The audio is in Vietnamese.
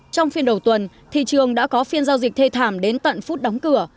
trong phiên đầu tuần thị trường đã có phiên giao dịch thê thảm đến tận phút đóng cửa